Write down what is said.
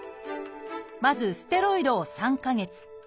まずステロイドを３か月。